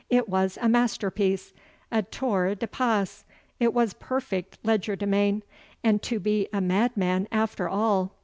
it was a master piece a TOUR DE PASSE it was perfect legerdemain and to be a madman after all!